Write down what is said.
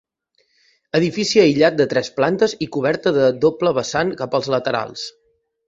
Edifici aïllat de tres plantes i coberta de doble vessant cap als laterals.